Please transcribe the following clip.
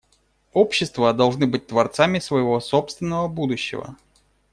Общества должны быть творцами своего собственного будущего.